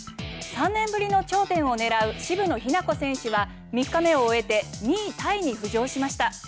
３年ぶりの頂点を狙う渋野日向子選手は３日目を終えて２位タイに浮上しました。